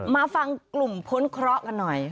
มาฟังกลุ่มพ้นเคราะห์กันหน่อย